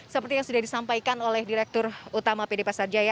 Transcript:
seperti yang sudah disampaikan oleh direktur utama pd pasar jaya